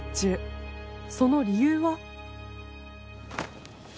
その理由は。